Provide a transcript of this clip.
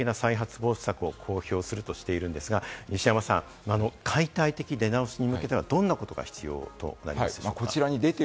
ジャニーズ事務所ですが今月中に具体的な再発防止策を公表するとしているんですが、西山さん、解体的出直しに向けてはどんなことが必要だと思いますか？